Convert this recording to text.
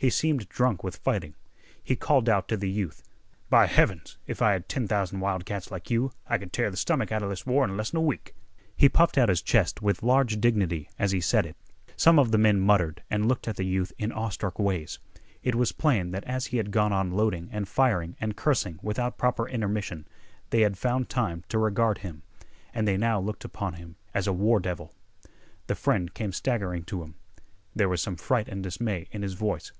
He seemed drunk with fighting. He called out to the youth: "By heavens, if I had ten thousand wild cats like you I could tear th' stomach outa this war in less'n a week!" He puffed out his chest with large dignity as he said it. Some of the men muttered and looked at the youth in awestruck ways. It was plain that as he had gone on loading and firing and cursing without proper intermission, they had found time to regard him. And they now looked upon him as a war devil. The friend came staggering to him. There was some fright and dismay in his voice.